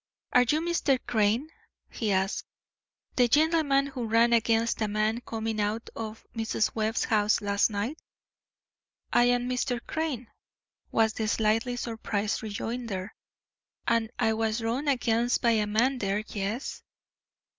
"Are you Mr. Crane?" he asked, "the gentleman who ran against a man coming out of Mrs. Webb's house last night?" "I am Mr. Crane," was the slightly surprised rejoinder, "and I was run against by a man there, yes."